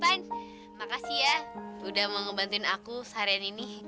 pan makasih ya udah mau ngebantuin aku seharian ini